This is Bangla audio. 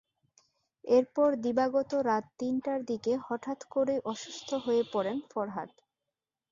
এরপর দিবাগত রাত তিনটার দিকে হঠাৎ করেই অসুস্থ হয়ে পড়েন ফরহাদ।